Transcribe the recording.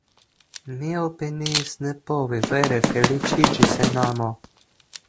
Mi opiniis ne povi vere feliĉiĝi sen amo.